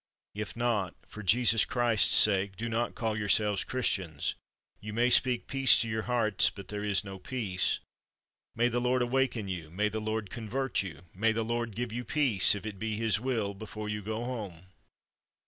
If not, for Jesus Christ's sake, do not call yourselves Christians ; you may speak peace to your hearts, but there is no peace. May the Lord awaken you, may the Lord convert you, may the Lord give you peace, if it be His will, before you go home